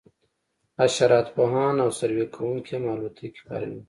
حشرات پوهان او سروې کوونکي هم الوتکې کاروي